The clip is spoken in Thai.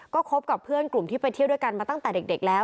ก็คบกับเพื่อนกลุ่มที่ไปเที่ยวด้วยกันมาตั้งแต่เด็กแล้ว